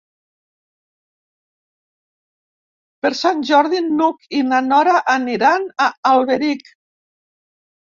Per Sant Jordi n'Hug i na Nora aniran a Alberic.